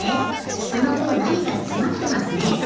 したのほうなにかつまってますね？